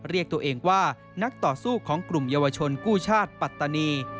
เรียกตัวเองว่านักต่อสู้ของกลุ่มเยาวชนกู้ชาติปัตตานี